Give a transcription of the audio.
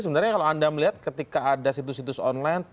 sebenarnya kalau anda melihat ketika ada situs situs online